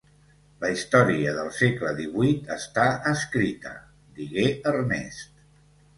La història del segle divuit està escrita, digué Ernest.